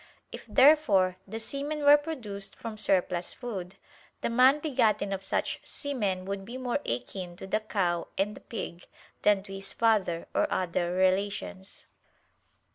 If therefore, the semen were produced from surplus food, the man begotten of such semen would be more akin to the cow and the pig, than to his father or other relations.